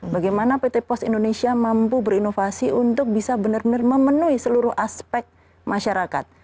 bagaimana pt pos indonesia mampu berinovasi untuk bisa benar benar memenuhi seluruh aspek masyarakat